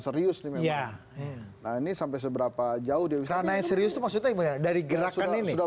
serius ini ya ini sampai seberapa jauh di sana yang serius maksudnya dari gerakan ini sudah